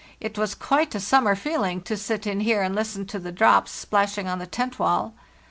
It was quite a summer feeling to sit in here and listen to the drops splashing on the tent wall.